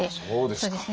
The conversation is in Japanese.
そうですか。